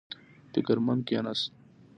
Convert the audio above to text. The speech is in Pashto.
فکر مند کېناست.